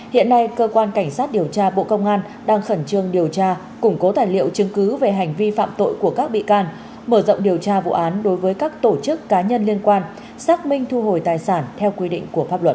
hiện nay cơ quan cảnh sát điều tra bộ công an đang khẩn trương điều tra củng cố tài liệu chứng cứ về hành vi phạm tội của các bị can mở rộng điều tra vụ án đối với các tổ chức cá nhân liên quan xác minh thu hồi tài sản theo quy định của pháp luật